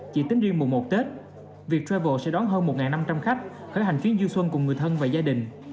chỉ tính riêng mùng một tết việc travel sẽ đón hơn một năm trăm linh khách khởi hành chuyến du xuân cùng người thân và gia đình